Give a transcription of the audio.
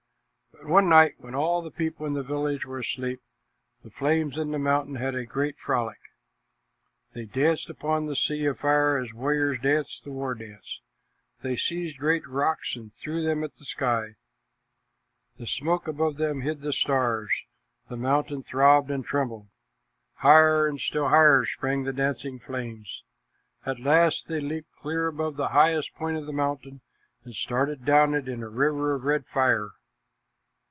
But one night when all the people in the village were asleep, the flames in the mountain had a great frolic. They danced upon the sea of fire as warriors dance the war dance. They seized great rocks and threw them at the sky. The smoke above them hid the stars; the mountain throbbed and trembled. Higher and still higher sprang the dancing flames. At last, they leaped clear above the highest point of the mountain and started down it in a river of red fire.